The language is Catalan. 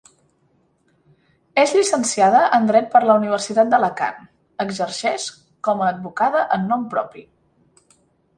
És llicenciada en dret per la Universitat d'Alacant, exerceix com a advocada en nom propi.